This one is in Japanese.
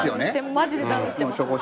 マジでダウンしてます。